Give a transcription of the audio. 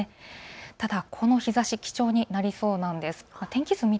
ただこの日ざし、貴重になりそうなんです。